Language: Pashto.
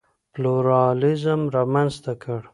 پلورالېزم رامنځته کړ.